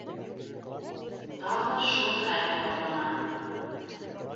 Тағы ла шул хәл ҡабатлана.